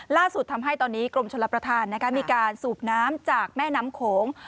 ล่าสุดทำให้ตอนนี้กรมชลประธานมีการสูบน้ำจากแม่น้ำโขง